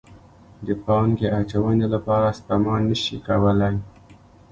د پانګې اچونې لپاره سپما نه شي کولی.